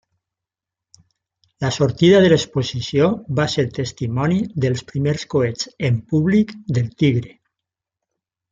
La sortida de l'exposició va ser testimoni dels primers coets en públic del Tigre.